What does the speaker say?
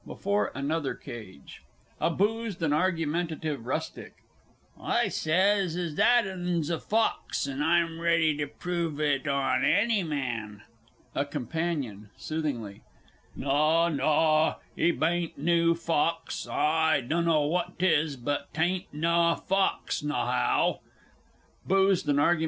BEFORE ANOTHER CAGE. A BOOZED AND ARGUMENTATIVE RUSTIC. I sez as that 'un's a fawks, an' I'm ready to prove it on anny man. A COMPANION (soothingly). Naw, naw, 'e baint naw fawks. I dunno what 'tis, but 'tain't naw fawks nawhow. B. AND A.